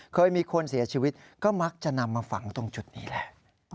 เคยมีคนเสียชีวิตก็มักจะนำมาฝังตรงจุดนี้แหละ